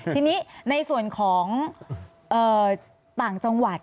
ทีนี้ในส่วนของต่างจังหวัด